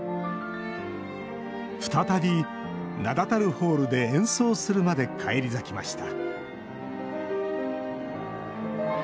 再び名だたるホールで演奏するまで返り咲きました